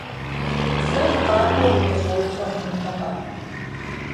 Зэ укъакӀуэу укъыщӀэупщӀэ хъунутэкъэ?